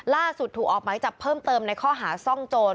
ถูกออกหมายจับเพิ่มเติมในข้อหาซ่องโจร